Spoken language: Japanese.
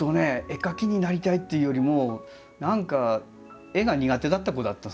絵描きになりたいっていうよりも何か絵が苦手だった子だったその子は。